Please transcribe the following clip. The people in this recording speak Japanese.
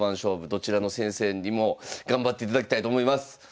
どちらの先生にも頑張っていただきたいと思います。